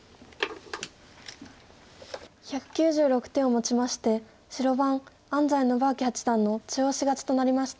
１９６手をもちまして白番安斎伸彰八段の中押し勝ちとなりました。